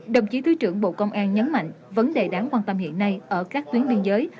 đồng chí thứ trưởng bộ công an nhấn mạnh vấn đề đáng quan tâm hiện nay ở các tuyến biên giới